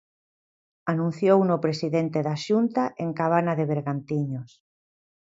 Anunciouno o presidente da Xunta en Cabana de Bergantiños.